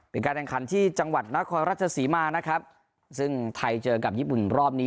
เป็นการแข่งขันที่จังหวัดนครราชศรีมานะครับซึ่งไทยเจอกับญี่ปุ่นรอบนี้